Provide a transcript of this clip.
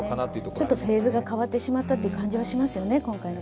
ちょっとフェーズが変わってしまった感じがしますよね。